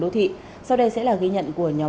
đô thị sau đây sẽ là ghi nhận của nhóm